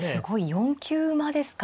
４九馬ですか。